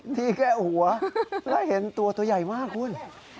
ที่แก้หัวแล้วเห็นตัวตัวใหญ่มากคุณ